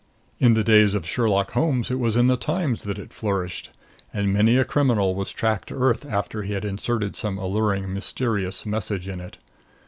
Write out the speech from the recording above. In the days of Sherlock Holmes it was in the Times that it flourished, and many a criminal was tracked to earth after he had inserted some alluring mysterious message in it.